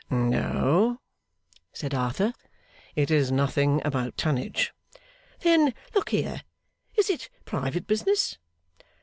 'No,' said Arthur, 'it is nothing about tonnage.' 'Then look here. Is it private business?